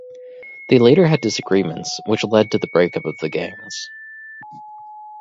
They later had disagreements, which led to the breakup of the gangs.